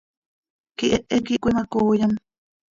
Quihehe quih cöimacooyam.